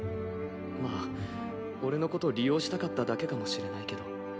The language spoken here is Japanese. まあ俺のこと利用したかっただけかもしれないけど。